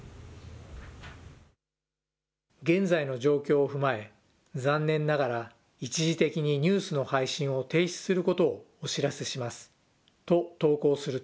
現在の状況を踏まえ、残念ながら一時的にニュースの配信を停止することをお知らせします。